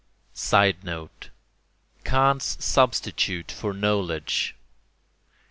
[Sidenote: Kant's substitute for knowledge.